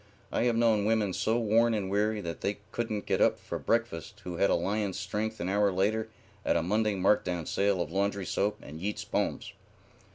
I have known women so worn and weary that they couldn't get up for breakfast who had a lion's strength an hour later at a Monday marked down sale of laundry soap and Yeats's poems.